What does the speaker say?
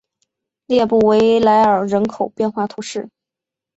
列布维莱尔人口变化图示